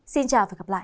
xin chào và hẹn gặp lại